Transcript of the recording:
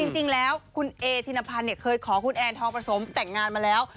จริงแล้วคุณเอธินพันธ์เคยขอคุณแอนทองประสมแต่งงานมาแล้ว